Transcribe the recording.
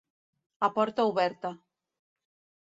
A porta oberta.